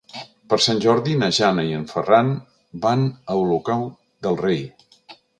Per Sant Jordi na Jana i en Ferran van a Olocau del Rei.